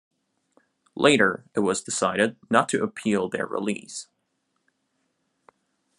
Later, it was decided not to appeal their release.